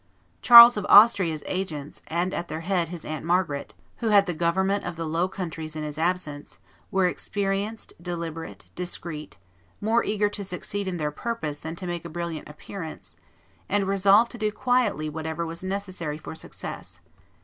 Charles of Austria's agents, and at their head his aunt Margaret, who had the government of the Low Countries in his absence, were experienced, deliberate, discreet, more eager to succeed in their purpose than to make a brilliant appearance, and resolved to do quietly whatever was necessary for success.